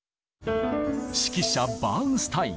指揮者バーンスタイン。